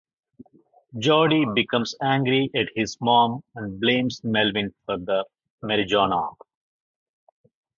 Jody becomes angry at his mom and blames Melvin for the marijuana.